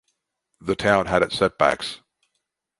The town had its setbacks.